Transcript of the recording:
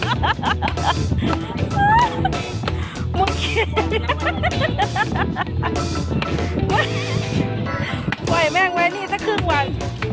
ปล่อยแม่งไว้นี่สักครึ่งวัน